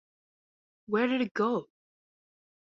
Where did it go?